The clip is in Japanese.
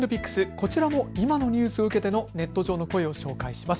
こちらも今のニュースを受けてのネット上の声を紹介します。